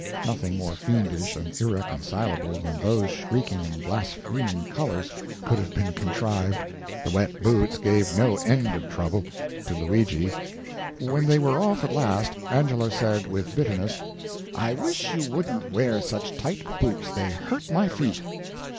Nothing more fiendish and irreconcilable than those shrieking and blaspheming colors could have been contrived. The wet boots gave no end of trouble to Luigi. When they were off at last, Angelo said, with bitterness: "I wish you wouldn't wear such tight boots, they hurt my feet."